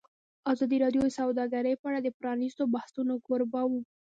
ازادي راډیو د سوداګري په اړه د پرانیستو بحثونو کوربه وه.